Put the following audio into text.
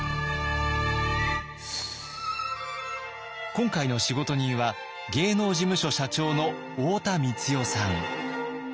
今回の仕事人は芸能事務所社長の太田光代さん。